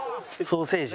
ソーセージ。